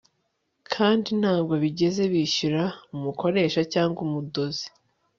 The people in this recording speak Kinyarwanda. kandi ntabwo bigeze bishyura umukoresha cyangwa umudozi